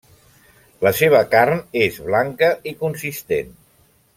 La seva carn és blanca i consistent.